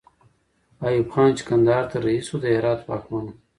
ایوب خان چې کندهار ته رهي سو، د هرات واکمن وو.